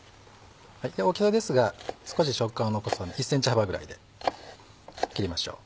大きさですが少し食感を残すので１ｃｍ幅ぐらいで切りましょう。